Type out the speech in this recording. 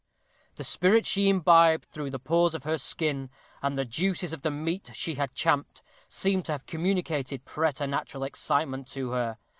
The spirit she imbibed through the pores of her skin, and the juices of the meat she had champed, seemed to have communicated preternatural excitement to her.